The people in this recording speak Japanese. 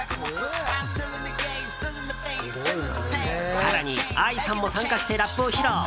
更に、ＡＩさんも参加してラップを披露。